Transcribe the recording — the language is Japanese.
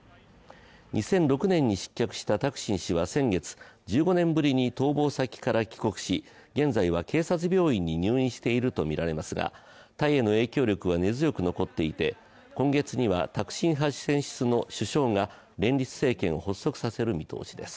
２００６年に失脚したタクシン氏は先月、１５年ぶりに逃亡先から帰国し現在は警察病院に入院しているとみられますがタイへの影響力は根強く残っていて今月にはタクシン派選出の首相が連立政権を発足させる見通しです。